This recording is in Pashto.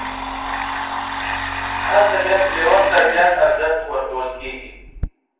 هلته بیا فلېور ته زیات ارزښت ورکول کېږي.